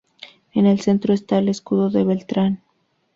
En el centro está el escudo de Beltrán.